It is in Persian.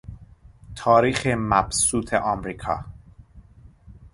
تاریخ مبسوط امریکا